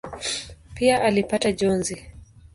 Pia alipata njozi.